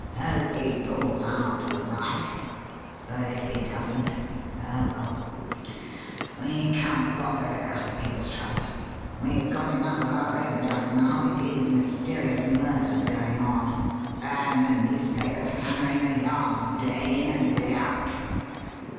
Hope he pulls out all right; but if he doesn't oh, well, we can't bother over other people's troubles we've got enough of our own just now with these mysterious murders going on, and the newspapers hammering the Yard day in and day out.